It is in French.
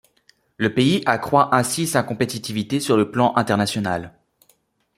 Le pays accroît ainsi sa compétitivité sur le plan international.